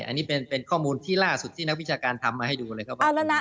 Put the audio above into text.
อันนี้เป็นข้อมูลที่ล่าสุดที่นักวิชาการทำมาให้ดูเลยครับว่า